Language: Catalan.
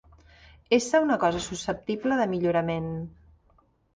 Ésser una cosa susceptible de millorament.